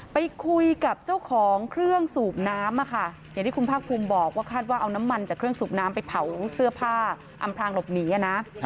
ไปคุยกับเจ้าของเครื่องสูบน้ำค่ะอย่างที่คุณภาคภูมิบอกว่าคาดว่าเอาน้ำมันจากเครื่องสูบน้ำไปเผาเสื้อผ้าอำพลางหลบหนีนะ